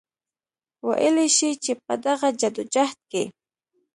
وئيلی شي چې پۀ دغه جدوجهد کې